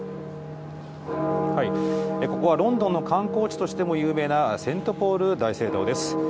ここはロンドンの観光地としても有名なセントポール大聖堂です。